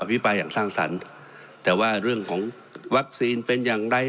วิปรายอย่างสร้างสรรค์แต่ว่าเรื่องของวัคซีนเป็นอย่างไร